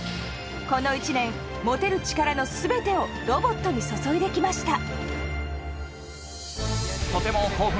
この１年持てる力の全てをロボットに注いできました。